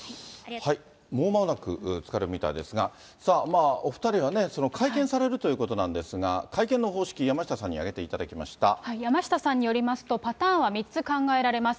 もうまもなく着かれるみたいですが、さあ、お２人は会見されるということなんですが、会見の方式、山下さんによりますと、パターンは３つ考えられます。